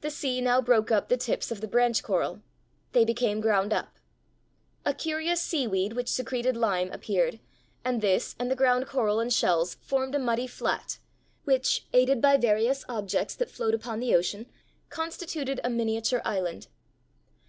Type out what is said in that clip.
The sea now broke up the tips of the branch coral. They became ground up. A curious seaweed which secreted lime appeared, and this and the ground coral and shells formed a muddy flat which, aided by various objects that float upon the ocean, constituted a miniature island.